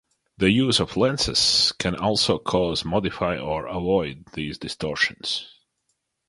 The use of lenses can also cause, modify or avoid these distortions.